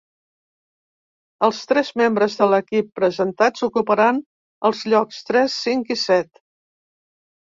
Els tres membres de l’equip presentats ocuparan els llocs tres, cinc i set.